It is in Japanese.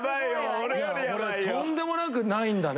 俺とんでもなくないんだね